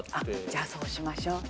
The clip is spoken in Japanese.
じゃあそうしましょう。